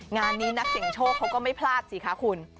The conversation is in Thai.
งานนี้นักเสียงโชคเขาก็ไม่พลาดสิคะคุณ